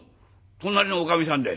隣のおかみさんで。